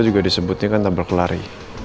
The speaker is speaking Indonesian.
juga disebutnya kan tabel kelari